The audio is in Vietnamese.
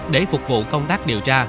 để phục vụ công tác điều tra